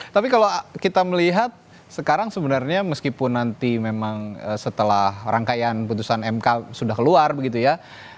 tapi kalau kita melihat sekarang sebenarnya meskipun nanti memang setelah rangkaian putusan mk sudah keluar begitu ya